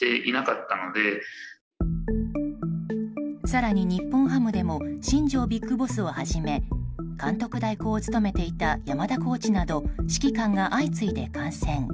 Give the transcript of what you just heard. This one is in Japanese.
更に日本ハムでも新庄ＢＩＧＢＯＳＳをはじめ監督代行を務めていた山田コーチなど指揮官が相次いで感染。